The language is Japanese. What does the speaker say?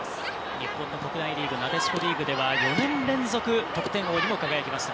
日本の国内リーグなでしこリーグでは４年連続得点王にも輝きました。